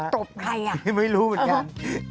ตบใครอ่ะไม่รู้เหมือนกัน